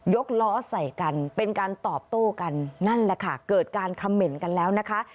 กล้อใส่กันเป็นการตอบโต้กันนั่นแหละค่ะเกิดการคำเหม็นกันแล้วนะคะ